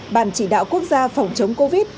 bàn chỉ đạo quốc gia phòng chống covid